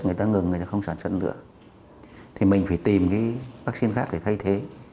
người ta ngừng người ta không sản xuất nữa thì mình phải tìm cái vaccine khác để thay thế